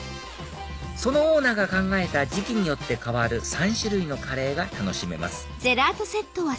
そのオーナーが考えた時期によって替わる３種類のカレーが楽しめます